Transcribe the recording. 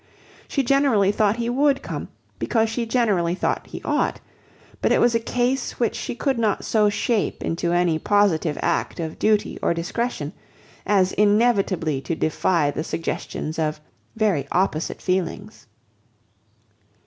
She generally thought he would come, because she generally thought he ought; but it was a case which she could not so shape into any positive act of duty or discretion, as inevitably to defy the suggestions of very opposite feelings.